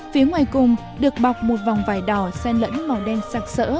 phía ngoài cùng được bọc một vòng vải đỏ sen lẫn màu đen sạc sỡ